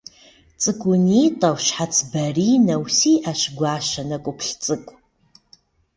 Цӏыкӏунитӏэу, щхьэц баринэу, сиӏэщ гуащэ нэкӏуплъ цӏыкӏу.